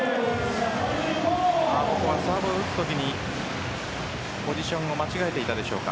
サーブを打つときにポジションを間違えていたのでしょうか。